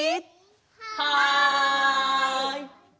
はい！